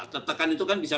tertekan itu kan bisa